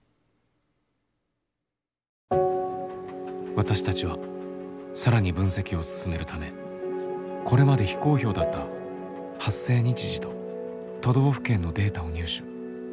私たちは更に分析を進めるためこれまで非公表だった発生日時と都道府県のデータを入手。